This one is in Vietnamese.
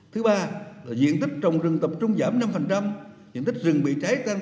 thứ ba là diện tích trồng rừng tập trung giảm năm diện tích rừng bị cháy tăng tám mươi một